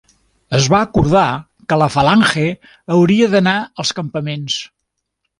Es va acordar que la Falange hauria d'anar als campaments.